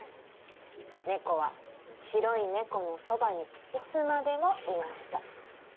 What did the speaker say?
「ねこは白いねこのそばにいつまでもいました」